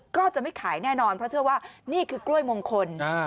ก็จะไม่ขายแน่นอนเพราะเชื่อว่านี่คือกล้วยมงคล